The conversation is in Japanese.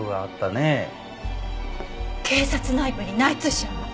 警察内部に内通者が？